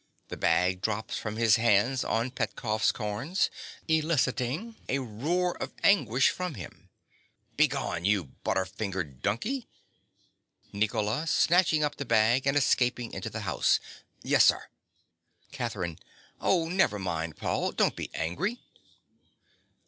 The bag drops from his hands on Petkoff's corns, eliciting a roar of anguish from him._) Begone, you butter fingered donkey. NICOLA. (snatching up the bag, and escaping into the house). Yes, sir. CATHERINE. Oh, never mind, Paul, don't be angry!